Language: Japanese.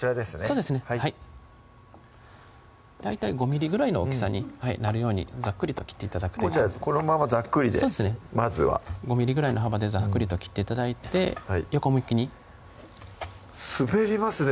そうですね大体５ｍｍぐらいの大きさになるようにざっくりと切って頂くとこのままざっくりでまずは５ｍｍぐらいの幅でざっくりと切って頂いて横向きに滑りますね